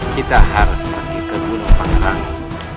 kita harus pergi ke gunung pangrang